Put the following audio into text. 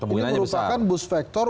ini merupakan boost factor